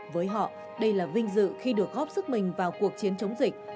với họ đây là vinh dự khi được góp sức mình vào cuộc chiến chống dịch